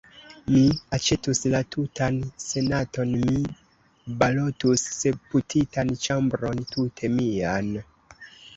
Mi aĉetus la tutan senaton; mi balotus deputitan ĉambron tute mian!